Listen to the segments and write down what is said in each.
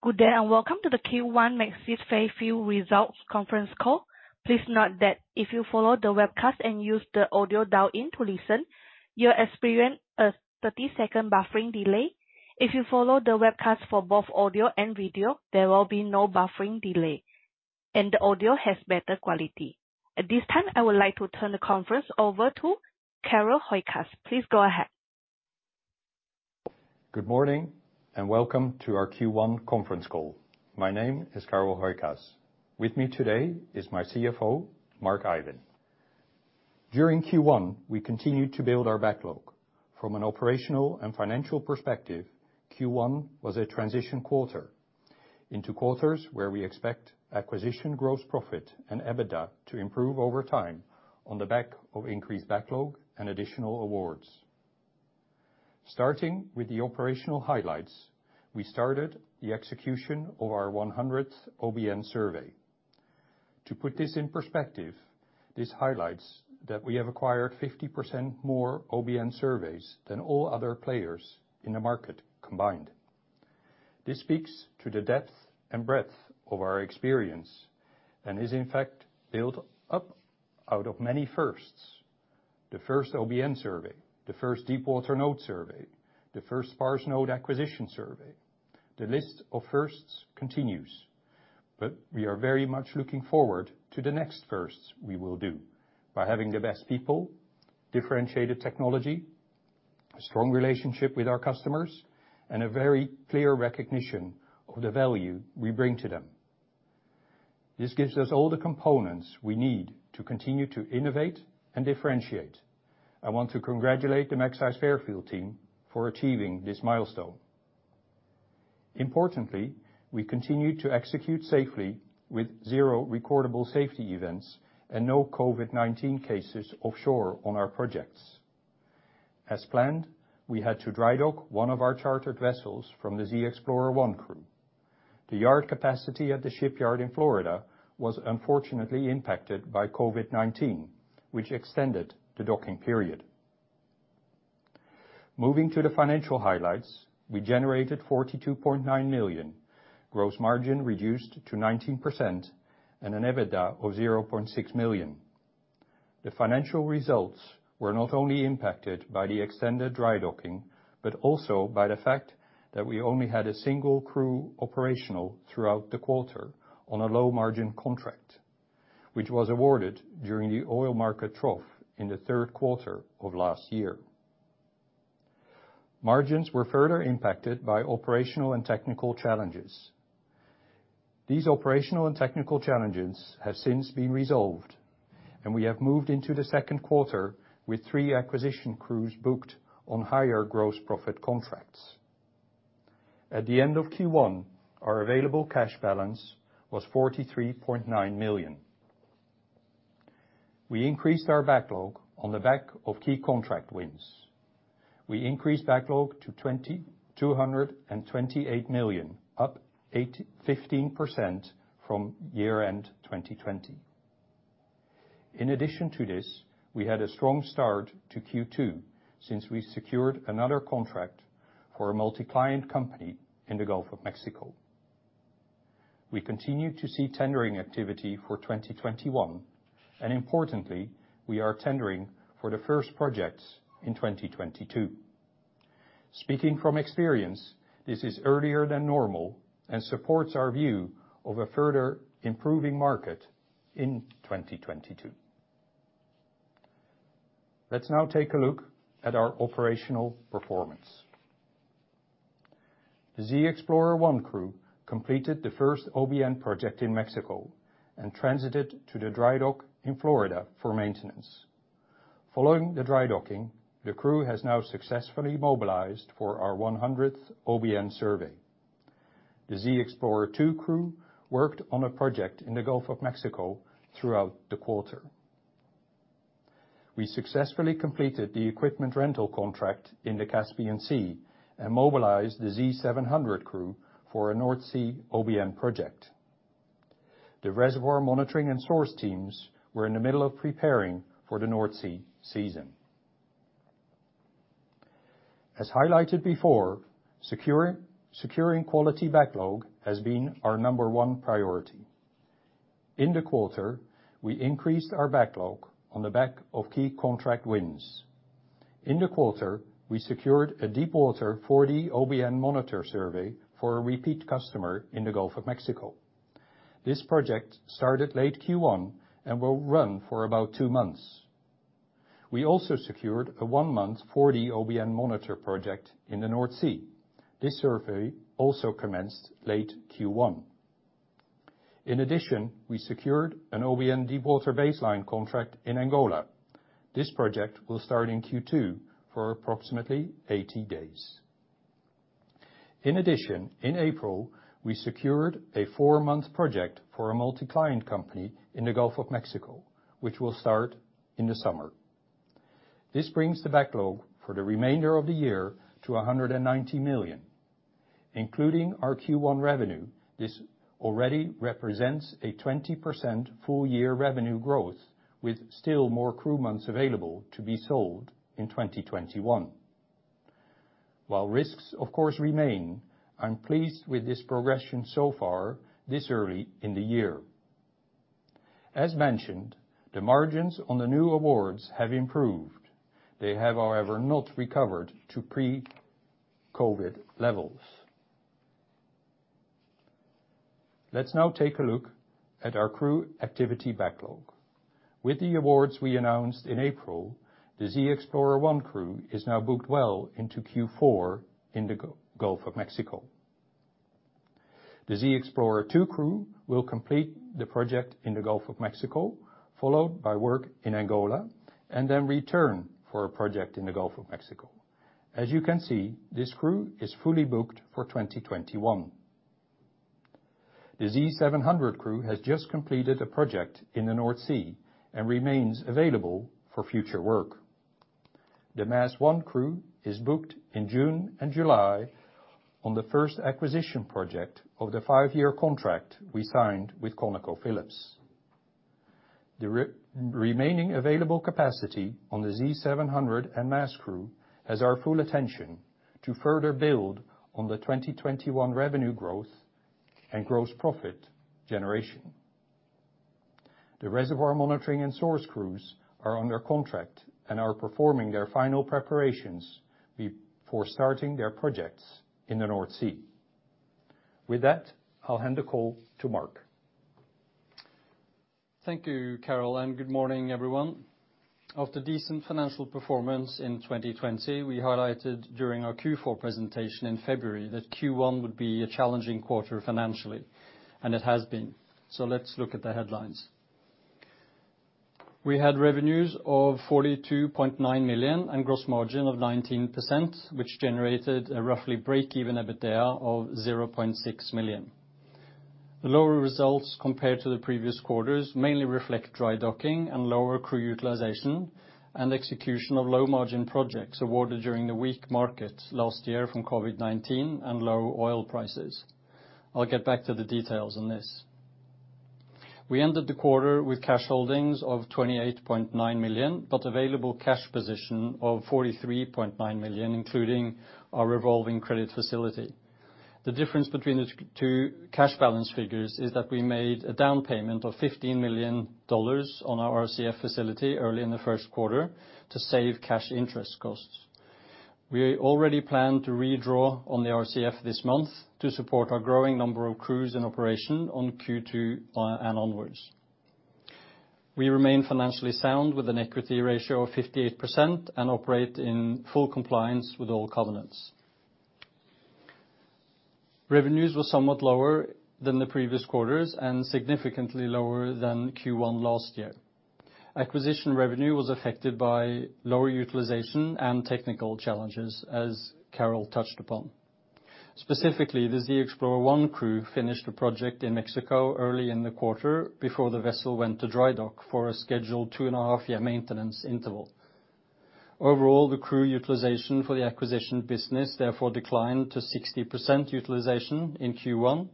Good day. Welcome to the Q1 Magseis Fairfield results conference call. Please note that if you follow the webcast and use the audio dial-in to listen, you'll experience a 30-second buffering delay. If you follow the webcast for both audio and video, there will be no buffering delay, and the audio has better quality. At this time, I would like to turn the conference over to Carel Hooijkaas. Please go ahead. Good morning, welcome to our Q1 conference call. My name is Carel Hooijkaas. With me today is my CFO, Mark Ivin. During Q1, we continued to build our backlog. From an operational and financial perspective, Q1 was a transition quarter into quarters where we expect acquisition, gross profit, and EBITDA to improve over time on the back of increased backlog and additional awards. Starting with the operational highlights, we started the execution of our 100th OBN survey. To put this in perspective, this highlights that we have acquired 50% more OBN surveys than all other players in the market combined. This speaks to the depth and breadth of our experience and is, in fact, built up out of many firsts. The first OBN survey, the first deep water node survey, the first sparse node acquisition survey. The list of firsts continues. We are very much looking forward to the next firsts we will do by having the best people, differentiated technology, a strong relationship with our customers, and a very clear recognition of the value we bring to them. This gives us all the components we need to continue to innovate and differentiate. I want to congratulate the Magseis Fairfield team for achieving this milestone. Importantly, we continued to execute safely with zero recordable safety events and no COVID-19 cases offshore on our projects. As planned, we had to dry dock one of our chartered vessels from the ZXPLR-1 crew. The yard capacity at the shipyard in Florida was unfortunately impacted by COVID-19, which extended the docking period. Moving to the financial highlights, we generated $42.9 million, gross margin reduced to 19%, and an EBITDA of $0.6 million. The financial results were not only impacted by the extended dry docking, but also by the fact that we only had a single crew operational throughout the quarter on a low-margin contract, which was awarded during the oil market trough in the third quarter of last year. Margins were further impacted by operational and technical challenges. These operational and technical challenges have since been resolved, and we have moved into the second quarter with three acquisition crews booked on higher gross profit contracts. At the end of Q1, our available cash balance was $43.9 million. We increased our backlog on the back of key contract wins. We increased backlog to $228 million, up 15% from year-end 2020. In addition to this, we had a strong start to Q2 since we secured another contract for a multi-client company in the Gulf of Mexico. We continue to see tendering activity for 2021. Importantly, we are tendering for the first projects in 2022. Speaking from experience, this is earlier than normal and supports our view of a further improving market in 2022. Let's now take a look at our operational performance. The ZXPLR-1 crew completed the first OBN project in Mexico and transited to the dry dock in Florida for maintenance. Following the dry docking, the crew has now successfully mobilized for our 100th OBN survey. The ZXPLR-2 crew worked on a project in the Gulf of Mexico throughout the quarter. We successfully completed the equipment rental contract in the Caspian Sea. Mobilized the Z700 crew for a North Sea OBN project. The reservoir monitoring and source teams were in the middle of preparing for the North Sea season. As highlighted before, securing quality backlog has been our number one priority. In the quarter, we increased our backlog on the back of key contract wins. In the quarter, we secured a deep water 4D OBN monitor survey for a repeat customer in the Gulf of Mexico. This project started late Q1 and will run for about two months. We also secured a one-month 4D OBN monitor project in the North Sea. This survey also commenced late Q1. In addition, we secured an OBN deep water baseline contract in Angola. This project will start in Q2 for approximately 80 days. In addition, in April, we secured a four-month project for a multi-client company in the Gulf of Mexico, which will start in the summer. This brings the backlog for the remainder of the year to $190 million. Including our Q1 revenue, this already represents a 20% full year revenue growth, with still more crew months available to be sold in 2021. While risks, of course, remain, I'm pleased with this progression so far this early in the year. As mentioned, the margins on the new awards have improved. They have, however, not recovered to pre-COVID-19 levels. Let's now take a look at our crew activity backlog. With the awards we announced in April, the ZXPLR-1 crew is now booked well into Q4 in the Gulf of Mexico. The ZXPLR-2 crew will complete the project in the Gulf of Mexico, followed by work in Angola, and then return for a project in the Gulf of Mexico. As you can see, this crew is fully booked for 2021. The Z700 crew has just completed a project in the North Sea and remains available for future work. The MASS I crew is booked in June and July on the first acquisition project of the five-year contract we signed with ConocoPhillips. The remaining available capacity on the Z700 and MASS crew has our full attention to further build on the 2021 revenue growth and gross profit generation. The reservoir monitoring and source crews are under contract and are performing their final preparations before starting their projects in the North Sea. With that, I'll hand the call to Mark. Thank you, Carel. Good morning, everyone. After decent financial performance in 2020, we highlighted during our Q4 presentation in February that Q1 would be a challenging quarter financially. It has been. Let's look at the headlines. We had revenues of $42.9 million and gross margin of 19%, which generated a roughly break-even EBITDA of $0.6 million. The lower results compared to the previous quarters mainly reflect dry docking and lower crew utilization, and execution of low-margin projects awarded during the weak markets last year from COVID-19 and low oil prices. I'll get back to the details on this. We ended the quarter with cash holdings of $28.9 million. Available cash position of $43.9 million, including our revolving credit facility. The difference between the two cash balance figures is that we made a down payment of $15 million on our RCF facility early in the first quarter to save cash interest costs. We already plan to redraw on the RCF this month to support our growing number of crews in operation on Q2 and onwards. We remain financially sound with an equity ratio of 58% and operate in full compliance with all covenants. Revenues were somewhat lower than the previous quarters and significantly lower than Q1 last year. Acquisition revenue was affected by lower utilization and technical challenges, as Carel touched upon. Specifically, the ZXPLR-1 crew finished a project in Mexico early in the quarter before the vessel went to dry dock for a scheduled 2.5 year maintenance interval. Overall, the crew utilization for the acquisition business therefore declined to 60% utilization in Q1.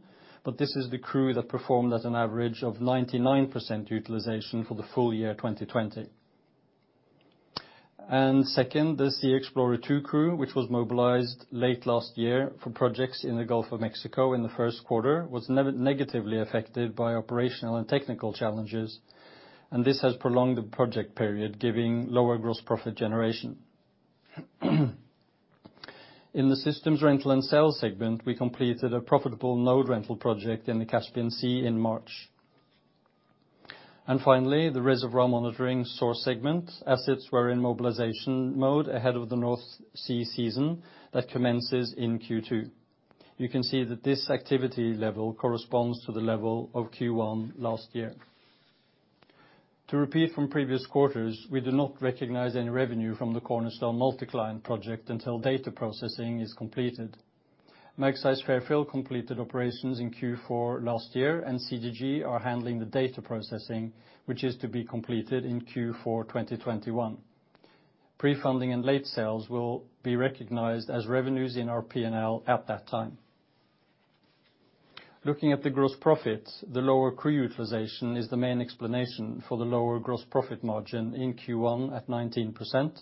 This is the crew that performed at an average of 99% utilization for the full year 2020. Second, the ZXPLR-2 crew, which was mobilized late last year for projects in the Gulf of Mexico in the first quarter, was negatively affected by operational and technical challenges, and this has prolonged the project period, giving lower gross profit generation. In the systems rental and sales segment, we completed a profitable node rental project in the Caspian Sea in March. Finally, the reservoir monitoring source segment assets were in mobilization mode ahead of the North Sea season that commences in Q2. You can see that this activity level corresponds to the level of Q1 last year. To repeat from previous quarters, we do not recognize any revenue from the Cornerstone multi-client project until data processing is completed. Magseis Fairfield completed operations in Q4 last year. CGG are handling the data processing, which is to be completed in Q4 2021. Pre-funding and late sales will be recognized as revenues in our P&L at that time. Looking at the gross profit, the lower crew utilization is the main explanation for the lower gross profit margin in Q1 at 19%,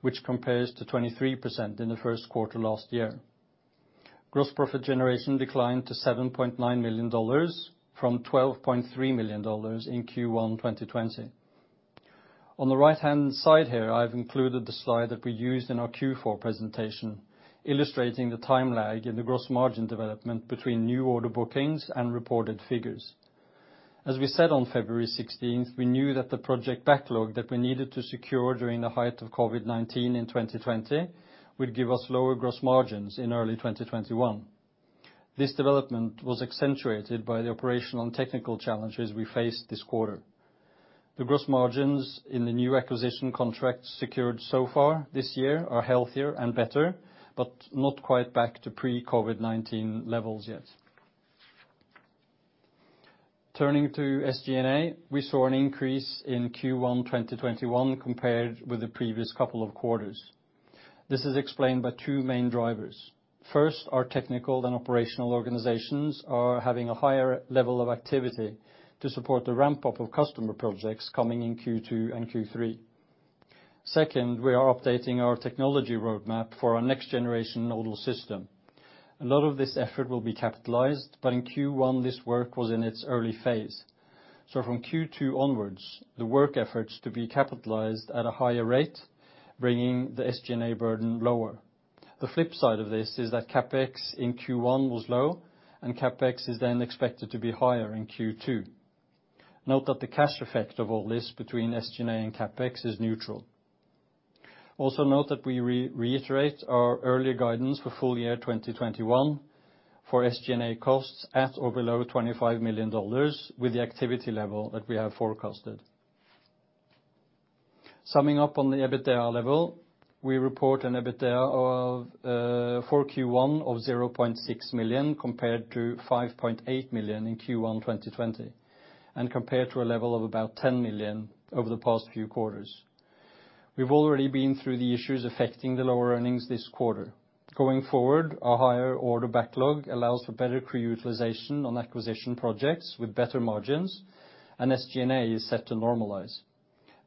which compares to 23% in the first quarter last year. Gross profit generation declined to $7.9 million from $12.3 million in Q1 2020. On the right-hand side here, I've included the slide that we used in our Q4 presentation, illustrating the time lag in the gross margin development between new order bookings and reported figures. As we said on February 16th, we knew that the project backlog that we needed to secure during the height of COVID-19 in 2020 would give us lower gross margins in early 2021. This development was accentuated by the operational and technical challenges we faced this quarter. The gross margins in the new acquisition contracts secured so far this year are healthier and better, but not quite back to pre-COVID-19 levels yet. Turning to SG&A, we saw an increase in Q1 2021 compared with the previous couple of quarters. This is explained by two main drivers. First, our technical and operational organizations are having a higher level of activity to support the ramp-up of customer projects coming in Q2 and Q3. Second, we are updating our technology roadmap for our next-generation nodal system. A lot of this effort will be capitalized, but in Q1, this work was in its early phase. From Q2 onwards, the work effort's to be capitalized at a higher rate, bringing the SG&A burden lower. The flip side of this is that CapEx in Q1 was low, and CapEx is then expected to be higher in Q2. Note that the cash effect of all this between SG&A and CapEx is neutral. Note that we reiterate our early guidance for full year 2021 for SG&A costs at or below $25 million with the activity level that we have forecasted. Summing up on the EBITDA level, we report an EBITDA for Q1 of $0.6 million compared to $5.8 million in Q1 2020, and compared to a level of about $10 million over the past few quarters. We've already been through the issues affecting the lower earnings this quarter. Going forward, our higher order backlog allows for better crew utilization on acquisition projects with better margins, and SG&A is set to normalize.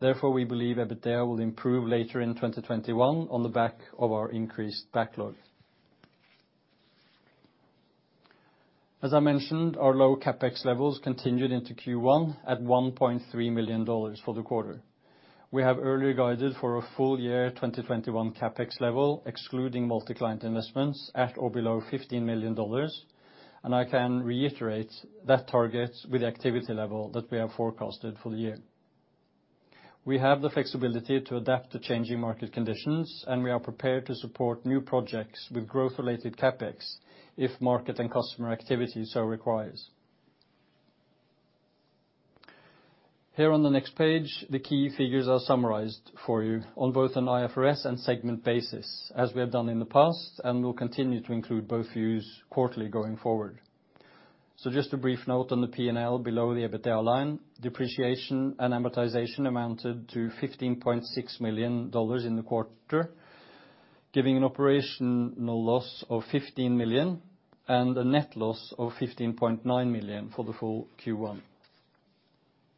Therefore, we believe EBITDA will improve later in 2021 on the back of our increased backlog. As I mentioned, our low CapEx levels continued into Q1 at $1.3 million for the quarter. We have earlier guided for a full year 2021 CapEx level, excluding multi-client investments at or below $15 million, and I can reiterate that target with the activity level that we have forecasted for the year. We have the flexibility to adapt to changing market conditions, and we are prepared to support new projects with growth-related CapEx if market and customer activity so requires. Here on the next page, the key figures are summarized for you on both an IFRS and segment basis, as we have done in the past and will continue to include both views quarterly going forward. Just a brief note on the P&L below the EBITDA line. Depreciation and amortization amounted to $15.6 million in the quarter, giving an operational loss of $15 million and a net loss of $15.9 million for the full Q1.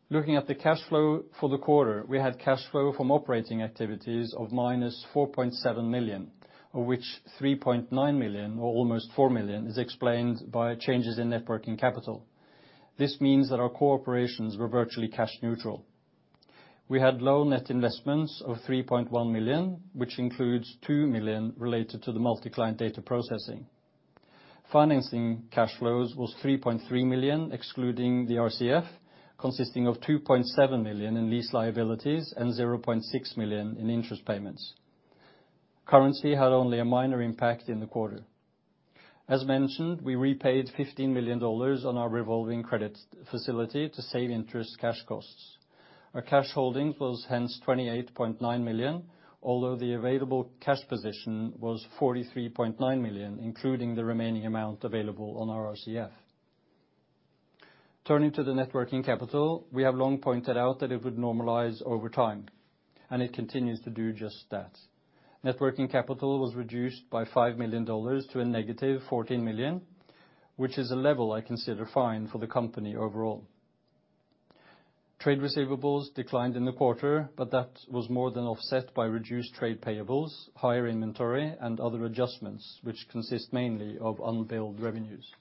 Looking at the cash flow for the quarter, we had cash flow from operating activities of -$4.7 million, of which $3.9 million or almost $4 million is explained by changes in net working capital. This means that our core operations were virtually cash neutral. We had low net investments of $3.1 million, which includes $2 million related to the multi-client data processing. Financing cash flows was $3.3 million, excluding the RCF, consisting of $2.7 million in lease liabilities and $0.6 million in interest payments. Currency had only a minor impact in the quarter. As mentioned, we repaid $15 million on our revolving credit facility to save interest cash costs. Our cash holdings was hence $28.9 million, although the available cash position was $43.9 million, including the remaining amount available on our RCF. Turning to the net working capital, we have long pointed out that it would normalize over time, and it continues to do just that. Net working capital was reduced by $5 million to a -$14 million, which is a level I consider fine for the company overall. Trade receivables declined in the quarter, that was more than offset by reduced trade payables, higher inventory and other adjustments, which consist mainly of unbilled revenues.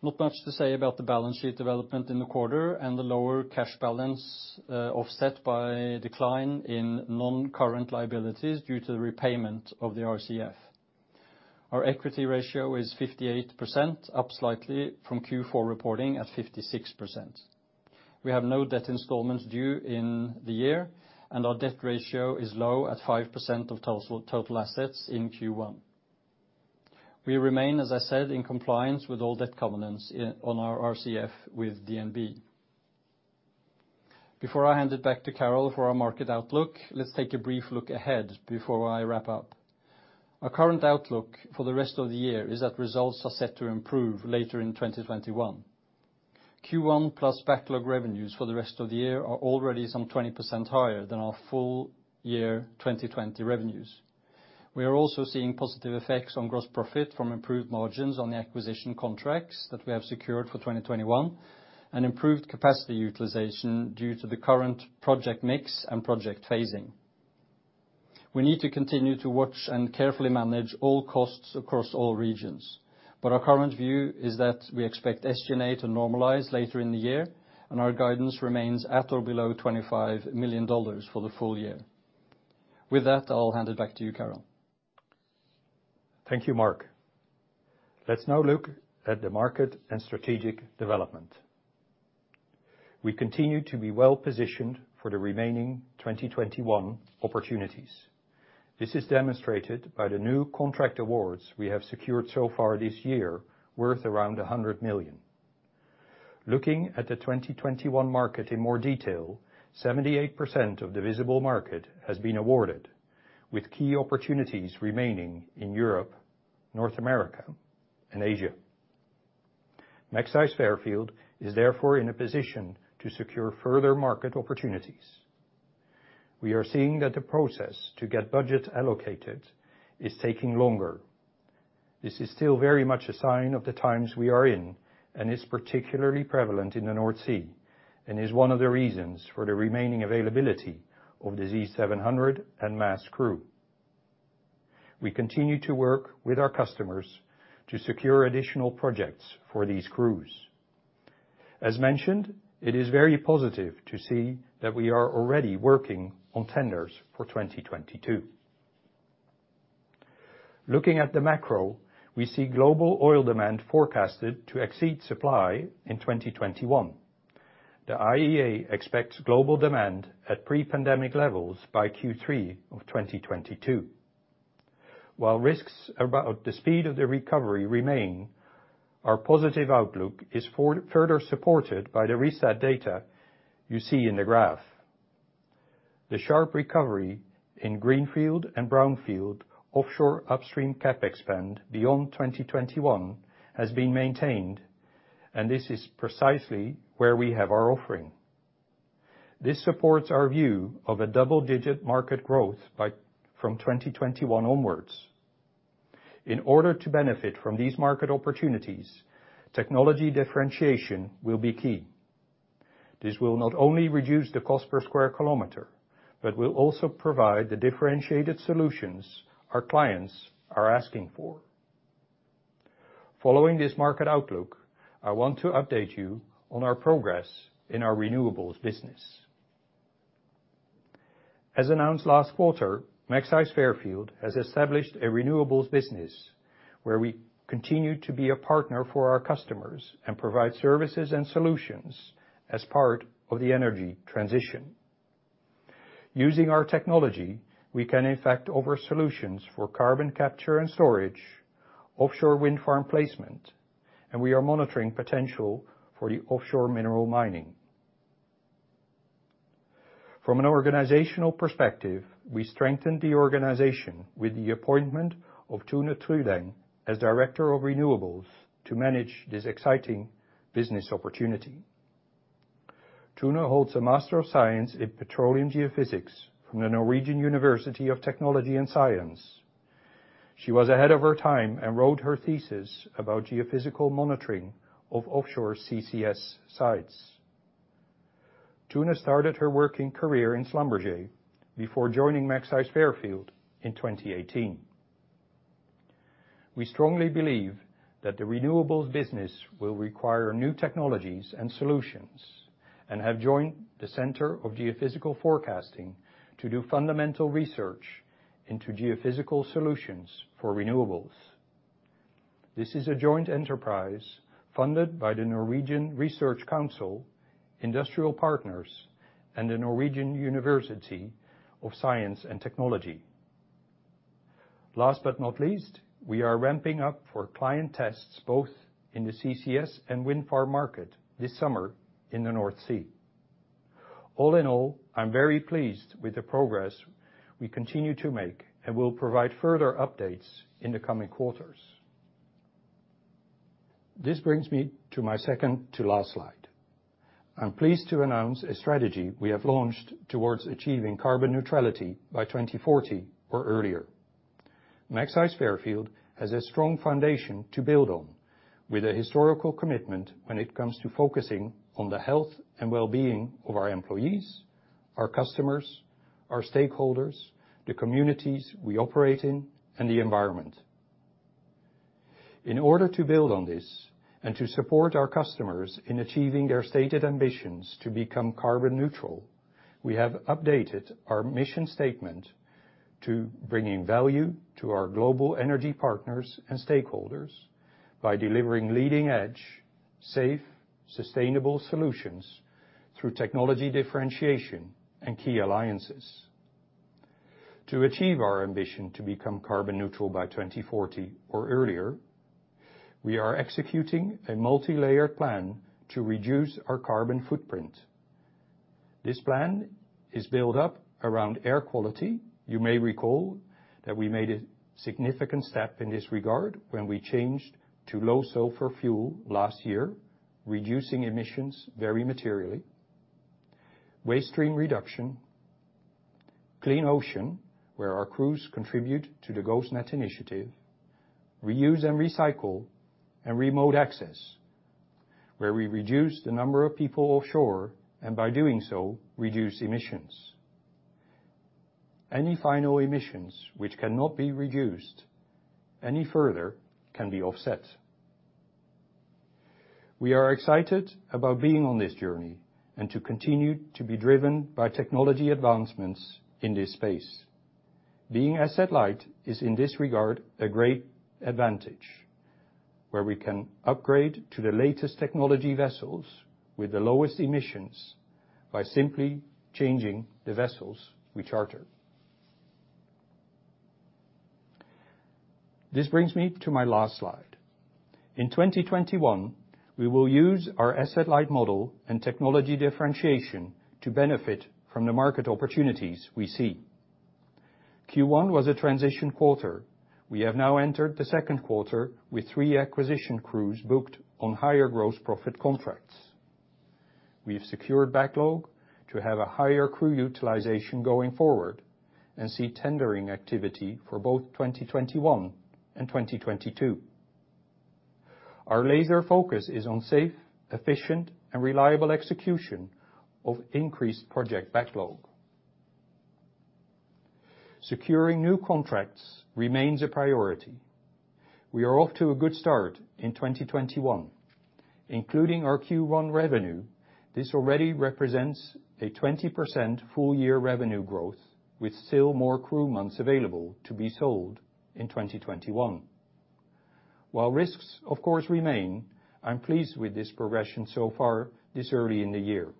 Not much to say about the balance sheet development in the quarter and the lower cash balance offset by a decline in non-current liabilities due to the repayment of the RCF. Our equity ratio is 58%, up slightly from Q4 reporting at 56%. We have no debt installments due in the year, and our debt ratio is low at 5% of total assets in Q1. We remain, as I said, in compliance with all debt covenants on our RCF with DNB. Before I hand it back to Carel for our market outlook, let's take a brief look ahead before I wrap up. Our current outlook for the rest of the year is that results are set to improve later in 2021. Q1 plus backlog revenues for the rest of the year are already some 20% higher than our full year 2020 revenues. We are also seeing positive effects on gross profit from improved margins on the acquisition contracts that we have secured for 2021 and improved capacity utilization due to the current project mix and project phasing. We need to continue to watch and carefully manage all costs across all regions. Our current view is that we expect SG&A to normalize later in the year, and our guidance remains at or below $25 million for the full year. With that, I'll hand it back to you, Carel. Thank you, Mark. Let's now look at the market and strategic development. We continue to be well-positioned for the remaining 2021 opportunities. This is demonstrated by the new contract awards we have secured so far this year worth around $100 million. Looking at the 2021 market in more detail, 78% of the visible market has been awarded, with key opportunities remaining in Europe, North America, and Asia. Magseis Fairfield is therefore in a position to secure further market opportunities. We are seeing that the process to get budgets allocated is taking longer. This is still very much a sign of the times we are in, and is particularly prevalent in the North Sea, and is one of the reasons for the remaining availability of the Z700 and MASS crew. We continue to work with our customers to secure additional projects for these crews. As mentioned, it is very positive to see that we are already working on tenders for 2022. Looking at the macro, we see global oil demand forecasted to exceed supply in 2021. The IEA expects global demand at pre-pandemic levels by Q3 of 2022. While risks about the speed of the recovery remain, our positive outlook is further supported by the Rystad data you see in the graph. The sharp recovery in greenfield and brownfield offshore upstream CapEx spend beyond 2021 has been maintained, and this is precisely where we have our offering. This supports our view of a double-digit market growth from 2021 onwards. In order to benefit from these market opportunities, technology differentiation will be key. This will not only reduce the cost per square kilometer, but will also provide the differentiated solutions our clients are asking for. Following this market outlook, I want to update you on our progress in our renewables business. As announced last quarter, Magseis Fairfield has established a renewables business where we continue to be a partner for our customers and provide services and solutions as part of the energy transition. Using our technology, we can in fact offer solutions for carbon capture and storage, offshore wind farm placement, and we are monitoring potential for the offshore mineral mining. From an organizational perspective, we strengthened the organization with the appointment of Tone Holm-Trudeng as Director of Renewables to manage this exciting business opportunity. Tone holds a Master of Science in Petroleum Geophysics from the Norwegian University of Science and Technology. She was ahead of her time and wrote her thesis about geophysical monitoring of offshore CCS sites. Tone started her working career in Schlumberger before joining Magseis Fairfield in 2018. We strongly believe that the renewables business will require new technologies and solutions and have joined the Centre for Geophysical Forecasting to do fundamental research into geophysical solutions for renewables. This is a joint enterprise funded by The Norwegian Research Council, industrial partners, and the Norwegian University of Science and Technology. Last but not least, we are ramping up for client tests, both in the CCS and wind farm market this summer in the North Sea. All in all, I'm very pleased with the progress we continue to make and will provide further updates in the coming quarters. This brings me to my second to last slide. I'm pleased to announce a strategy we have launched towards achieving carbon neutrality by 2040 or earlier. Magseis Fairfield has a strong foundation to build on with a historical commitment when it comes to focusing on the health and wellbeing of our employees, our customers, our stakeholders, the communities we operate in, and the environment. In order to build on this and to support our customers in achieving their stated ambitions to become carbon neutral, we have updated our mission statement to bringing value to our global energy partners and stakeholders by delivering leading edge, safe, sustainable solutions through technology differentiation and key alliances. To achieve our ambition to become carbon neutral by 2040 or earlier, we are executing a multilayer plan to reduce our carbon footprint. This plan is built up around air quality. You may recall that we made a significant step in this regard when we changed to low sulfur fuel last year, reducing emissions very materially. Waste stream reduction, clean ocean, where our crews contribute to the Ghost Net Initiative, reuse and recycle, and remote access, where we reduce the number of people offshore, and by doing so, reduce emissions. Any final emissions which cannot be reduced any further can be offset. We are excited about being on this journey and to continue to be driven by technology advancements in this space. Being asset-light is, in this regard, a great advantage, where we can upgrade to the latest technology vessels with the lowest emissions by simply changing the vessels we charter. This brings me to my last slide. In 2021, we will use our asset-light model and technology differentiation to benefit from the market opportunities we see. Q1 was a transition quarter. We have now entered the second quarter with three acquisition crews booked on higher gross profit contracts. We've secured backlog to have a higher crew utilization going forward and see tendering activity for both 2021 and 2022. Our laser focus is on safe, efficient, and reliable execution of increased project backlog. Securing new contracts remains a priority. We are off to a good start in 2021, including our Q1 revenue. This already represents a 20% full-year revenue growth, with still more crew months available to be sold in 2021. While risks, of course, remain, I'm pleased with this progression so far this early in the year.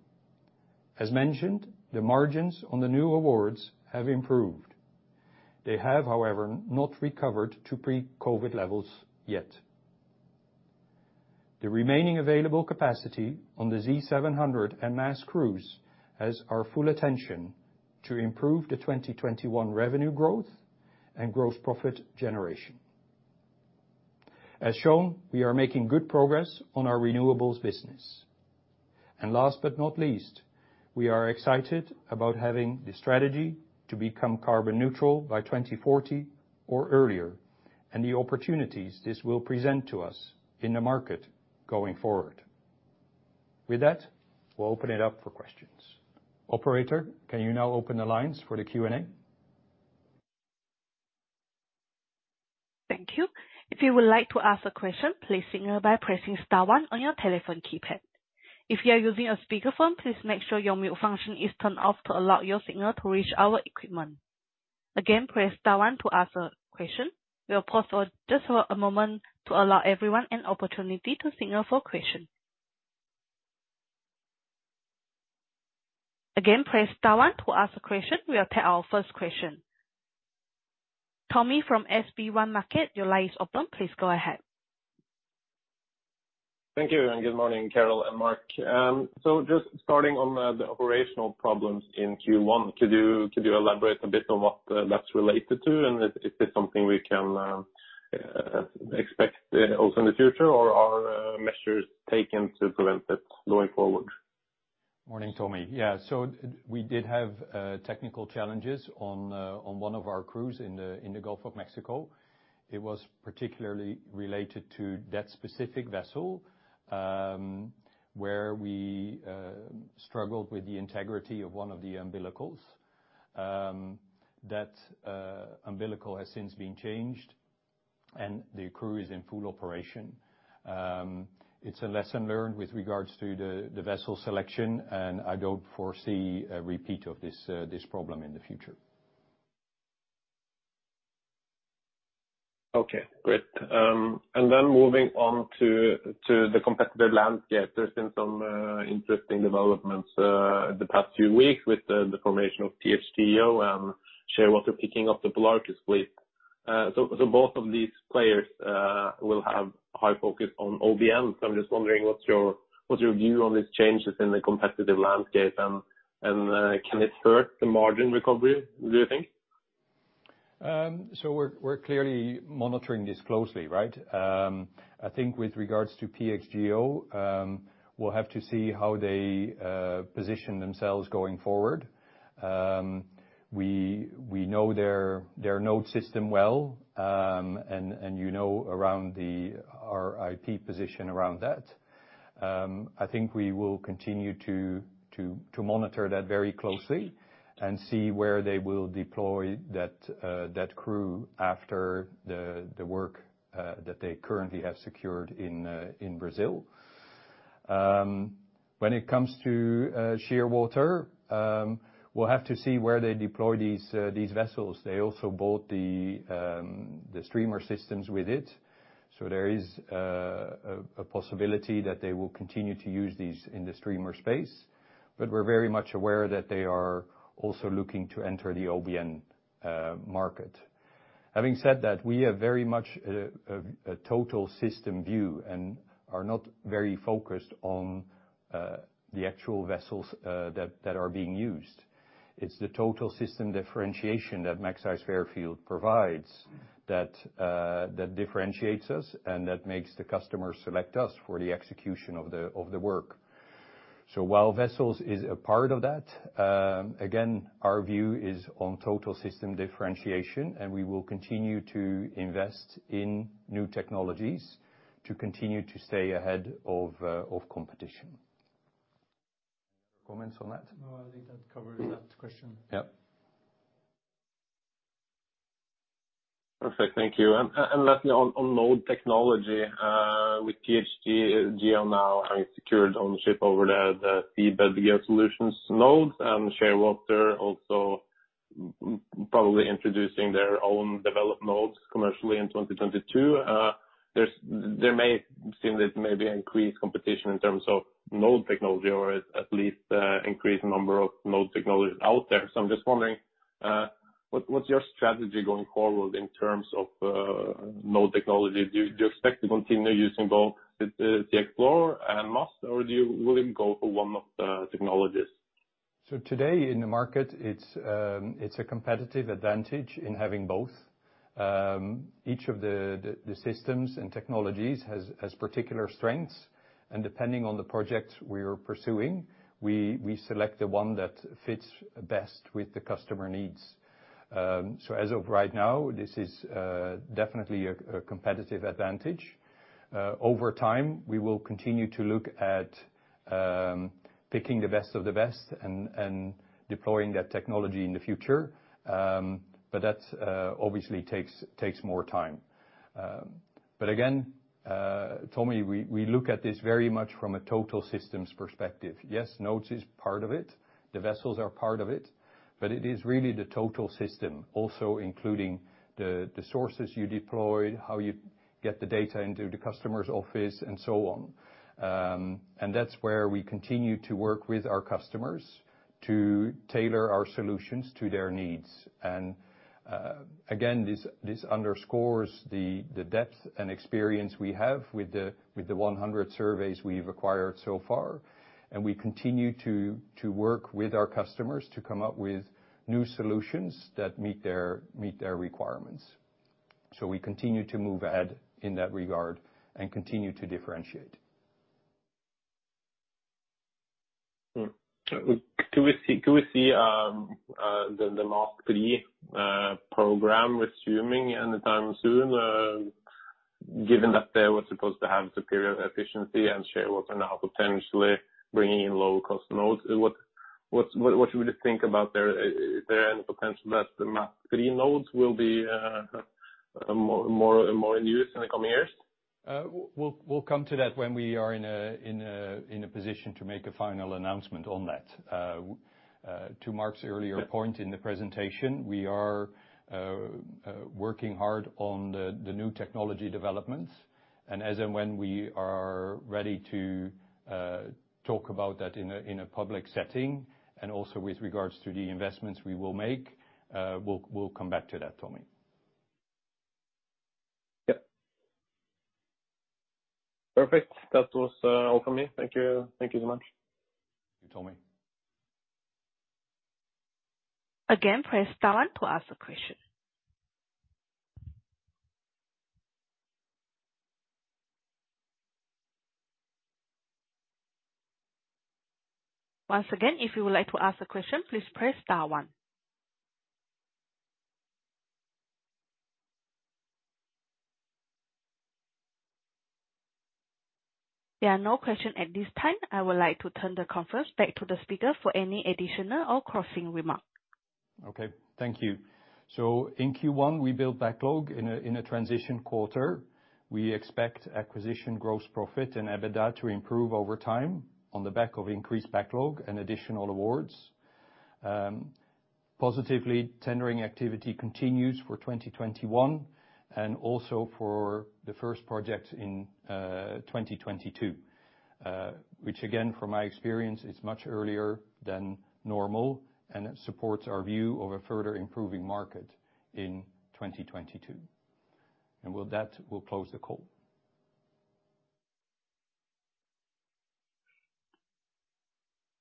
As mentioned, the margins on the new awards have improved. They have, however, not recovered to pre-COVID levels yet. The remaining available capacity on the Z700 and MASS crews has our full attention to improve the 2021 revenue growth and gross profit generation. As shown, we are making good progress on our renewables business. Last but not least, we are excited about having the strategy to become carbon neutral by 2040 or earlier, and the opportunities this will present to us in the market going forward. With that, we'll open it up for questions. Operator, can you now open the lines for the Q&A? Thank you. If you would like to ask a question, please signal by pressing star one on your telephone keypad. If you are using a speakerphone, please make sure your mute function is turned off to allow your signal to reach our equipment. Again, press star one to ask a question. We'll pause just for a moment to allow everyone an opportunity to signal for questions. Again, press star one to ask a question. We'll take our first question. Tommy from SB1 Markets, your line is open. Please go ahead. Thank you. Good morning, Carel and Mark. Just starting on the operational problems in Q1, could you elaborate a bit on what that's related to and if it's something we can expect also in the future, or are measures taken to prevent it going forward? Morning, Tommy. Yeah. We did have technical challenges on one of our crews in the Gulf of Mexico. It was particularly related to that specific vessel, where we struggled with the integrity of one of the umbilicals. That umbilical has since been changed, and the crew is in full operation. It's a lesson learned with regards to the vessel selection, and I don't foresee a repeat of this problem in the future. Okay, great. Then moving on to the competitive landscape. There's been some interesting developments in the past few weeks with the formation of PXGEO and Shearwater picking up the Polarcus fleet. Both of these players will have high focus on OBN. I'm just wondering, what's your view on these changes in the competitive landscape, and can it hurt the margin recovery, do you think? We're clearly monitoring this closely, right? I think with regards to PXGEO, we'll have to see how they position themselves going forward. We know their node system well, and you know our IP position around that. I think we will continue to monitor that very closely and see where they will deploy that crew after the work that they currently have secured in Brazil. When it comes to Shearwater, we'll have to see where they deploy these vessels. They also bought the streamer systems with it. There is a possibility that they will continue to use these in the streamer space, but we're very much aware that they are also looking to enter the OBN market. Having said that, we have very much a total system view and are not very focused on the actual vessels that are being used. It's the total system differentiation that Magseis Fairfield provides that differentiates us and that makes the customer select us for the execution of the work. While vessels is a part of that, again, our view is on total system differentiation, and we will continue to invest in new technologies to continue to stay ahead of competition. Comments on that? No, I think that covers that question. Yep. Perfect. Thank you. Lastly, on node technology, with PXGEO now having secured ownership over the Seabed Geosolutions nodes and Shearwater also probably introducing their own developed nodes commercially in 2022. There may seem that maybe increased competition in terms of node technology or at least increased number of node technologies out there. I'm just wondering, what's your strategy going forward in terms of node technology? Do you expect to continue using both the ZXPLR and MASS, or will you go for one of the technologies? Today in the market, it's a competitive advantage in having both. Each of the systems and technologies has particular strengths, and depending on the project we are pursuing, we select the one that fits best with the customer needs. As of right now, this is definitely a competitive advantage. Over time, we will continue to look at picking the best of the best and deploying that technology in the future. That obviously takes more time. Again, Tommy, we look at this very much from a total systems perspective. Yes, nodes is part of it. The vessels are part of it. It is really the total system, also including the sources you deploy, how you get the data into the customer's office, and so on. That's where we continue to work with our customers to tailor our solutions to their needs. Again, this underscores the depth and experience we have with the 100 surveys we've acquired so far. We continue to work with our customers to come up with new solutions that meet their requirements. We continue to move ahead in that regard and continue to differentiate. Could we see the MASS III program resuming any time soon, given that they were supposed to have superior efficiency and Shearwater now potentially bringing in low-cost nodes? What should we think about their end potential that the MASS III nodes will be more in use in the coming years? We'll come to that when we are in a position to make a final announcement on that. To Mark's earlier point in the presentation, we are working hard on the new technology developments. As and when we are ready to talk about that in a public setting, and also with regards to the investments we will make, we'll come back to that, Tommy. Yep. Perfect. That was all for me. Thank you. Thank you so much. Thank you, Tommy. Again, press star one to ask a question. Once again, if you would like to ask a question, please press star one. There are no question at this time. I would like to turn the conference back to the speaker for any additional or closing remark. Okay. Thank you. In Q1, we built backlog in a transition quarter. We expect acquisition, gross profit, and EBITDA to improve over time on the back of increased backlog and additional awards. Positively, tendering activity continues for 2021 and also for the first project in 2022, which again, from my experience, is much earlier than normal, and it supports our view of a further improving market in 2022. With that, we'll close the call.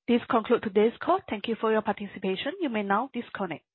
This conclude today's call. Thank you for your participation. You may now disconnect.